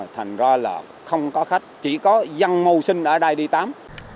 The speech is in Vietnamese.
thành ra là không có khách chỉ có dân ngô sinh ở đây đi tắm